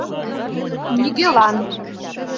Нигӧлан.